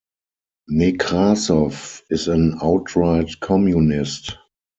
Nekrasov is an outright communist...